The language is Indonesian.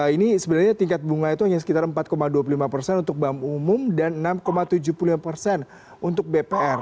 ini sebenarnya tingkat bunga itu hanya sekitar empat dua puluh lima persen untuk bank umum dan enam tujuh puluh lima persen untuk bpr